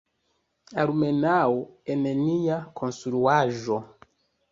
Almenaŭ, en nia konstruaĵo.